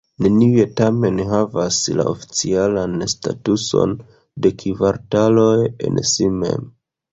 Neniuj tamen havas la oficialan statuson de kvartaloj en si mem.